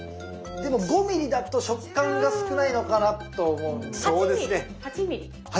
でも５ｍｍだと食感が少ないのかなと思うんですよね。